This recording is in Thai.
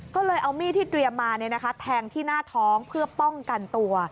ก็เลยเอามีดที่เตรียมมาแทงที่หน้าท้องเพื่อป้องกันตัว